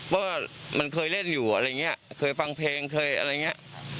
ว่ามันเคยเล่นอยู่อะไรอย่างนี้เคยฟังเพลงเคยอะไรอย่างนี้